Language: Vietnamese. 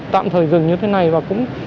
tạm thời dừng như thế này và cũng